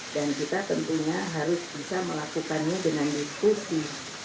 dan kita tentunya harus bisa melakukannya dengan diskusi